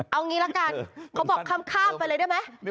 เอางี้ละกันเขาบอกข้ามไปเลยได้ไหม